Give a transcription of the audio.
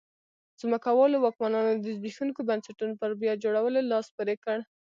ځمکوالو واکمنانو د زبېښونکو بنسټونو پر بیا جوړولو لاس پورې کړ.